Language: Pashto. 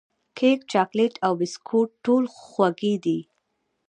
کیک، چاکلېټ او بسکوټ ټول خوږې دي.